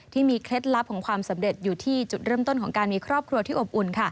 เคล็ดลับของความสำเร็จอยู่ที่จุดเริ่มต้นของการมีครอบครัวที่อบอุ่น